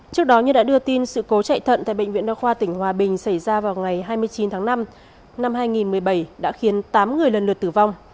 trước đó như đã đưa tin sự cố chạy thận tại bệnh viện đa khoa tỉnh hòa bình xảy ra vào ngày hai mươi chín tháng năm năm hai nghìn một mươi bảy đã khiến tám người lần lượt tử vong